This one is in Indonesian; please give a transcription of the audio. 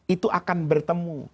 itu akan bertemu